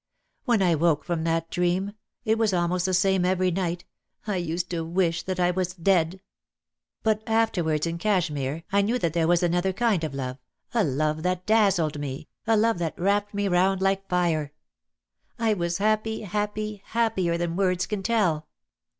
When I woke from that dream — it was almost the same every night — I used to wish that I was dead. But after wards in Cashmere I knew that there was another kind of love, a love that dazzled me, a love that wrapped me round like fire. I was happy, happy, happier than words can tell."